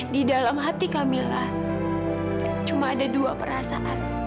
di dalam hati kamilah cuma ada dua perasaan